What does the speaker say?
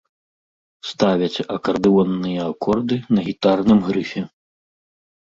Ставяць акардэонныя акорды на гітарным грыфе.